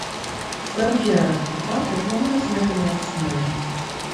Прэм'ера спектакля плануецца на канец снежня.